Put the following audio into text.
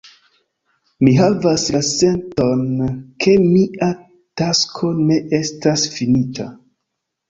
Mi havas la senton, ke mia tasko ne estas finita.